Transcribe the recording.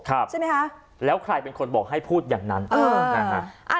ครับใช่ไหมฮะแล้วใครเป็นคนบอกให้พูดอย่างนั้นอ่า